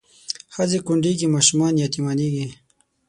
ښځې کونډېږي ماشومان یتیمانېږي